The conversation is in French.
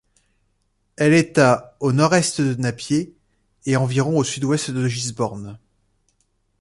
Elle est à au nord-est de Napier et environ au sud-ouest de Gisborne.